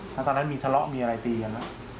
แล้วตอนนั้นมีทะเลาะมีอะไรตีกันไหม